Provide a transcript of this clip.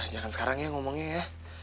jangan sekarang ya ngomongnya ya